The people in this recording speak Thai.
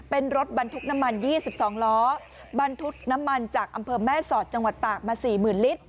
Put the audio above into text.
เป็นรถบรรทุกน้ำมันยี่สิบสองล้อบรรทุกน้ำมันจากอำเภอแม่สอดจังหวัดตากมาสี่หมื่นลิตร